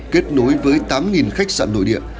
kết nối với tám khách sạn nội địa